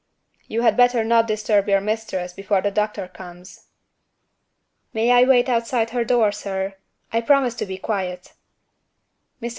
"You had better not disturb your mistress before the doctor comes." "May I wait outside her door, sir? I promise to be very quiet." Mr.